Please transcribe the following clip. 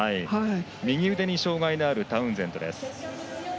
右腕に障がいのあるタウンゼントです。